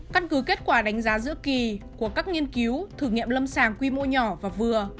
căn cứ kết quả đánh giá giữa kỳ của các nghiên cứu thử nghiệm lâm sàng quy mô nhỏ và vừa